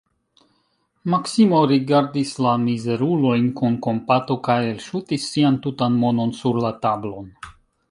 Maksimo rigardis la mizerulojn kun kompato kaj elŝutis sian tutan monon sur la tablon.